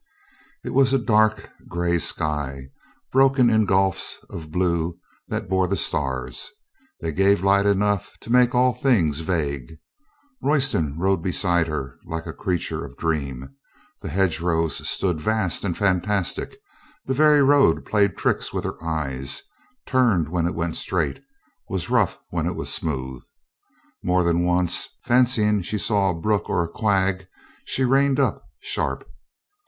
It was a dark gray sky, broken in gulfs of blue that bore the stars. They gave light enough to make all things vague. Royston rode beside her like a creature of dream ; the hedge rows stood vast 232 AN HONEST MAN 233 and fantastic; the very road played tricks with her eyes, turned when it went straight, was rough when it was smooth. More than once, fancying she saw a brook or a quag, she reined up sharp.